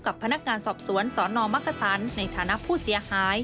กับพนักงานสอบสวนสนมักกษันในฐานะผู้เสียหาย